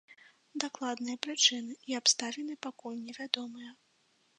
Дакладныя прычыны і абставіны пакуль невядомыя.